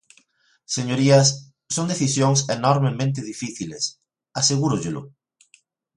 Señorías, son decisións enormemente difíciles, asegúrollelo.